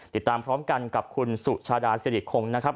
ติดตามพร้อมกันกับคุณสุชาดาสิริคงนะครับ